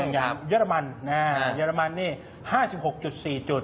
อย่างเยอรมันเยอรมันนี่๕๖๔จุด